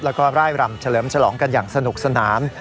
แล้วก็ร่ายรำเฉลิมฉลองกันอย่างสนุกสนาน